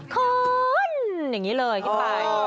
คนอย่างนี้เลยขึ้นไป